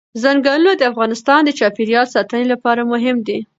ځنګلونه د افغانستان د چاپیریال ساتنې لپاره مهم دي.